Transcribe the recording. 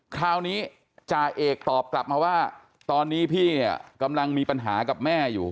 คราวนี้จ่าเอกตอบกลับมาว่าตอนนี้พี่เนี่ยกำลังมีปัญหากับแม่อยู่